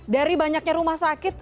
dari banyaknya rumah sakit